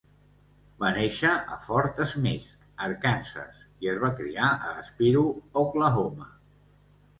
Va néixer a Fort Smith, Arkansas, i es va criar a Spiro, Oklahoma.